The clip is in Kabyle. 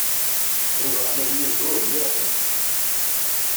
W ibɣan ad yuzur, yirqiq.